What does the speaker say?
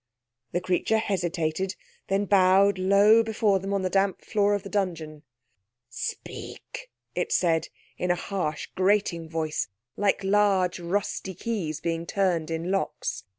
The creature hesitated, then bowed low before them on the damp floor of the dungeon. "Speak," it said, in a harsh, grating voice like large rusty keys being turned in locks.